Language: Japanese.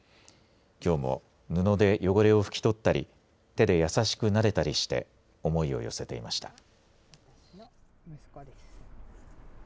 きょうも布で汚れを拭き取ったり手で優しくなでたりして思いを寄せていました。